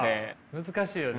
難しいよね。